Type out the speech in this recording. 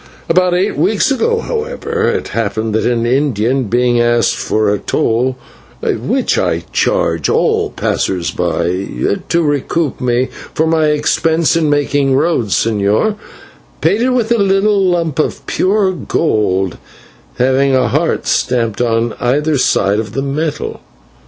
About eight weeks ago, however, it happened that an Indian, being asked for the toll, which I charge all passers by to recoup me for my expense in making roads, señor paid it with a little lump of pure gold having a heart stamped on either side of the metal.